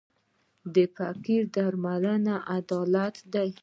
د فقر درمل عدالت دی.